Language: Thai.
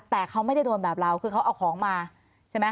แต่เขาไม่ได้โดนแบบเราคือเขาเอาของมาใช่ไหม